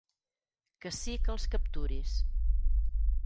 Que sí que els capturis.